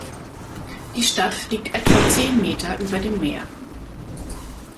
Die Stadt liegt etwa zehn Meter über dem Meer.